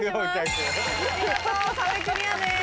見事壁クリアです。